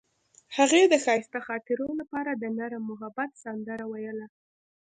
هغې د ښایسته خاطرو لپاره د نرم محبت سندره ویله.